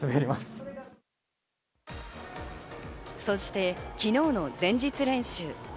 そして昨日の前日練習。